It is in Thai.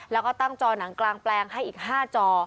แล้วก็ตั้งจอหนังกลางแปลงให้อีก๕จอ